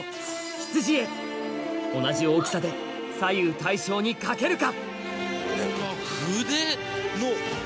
羊へ同じ大きさで左右対称に書けるか？